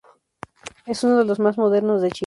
Es uno de los más modernos de Chile.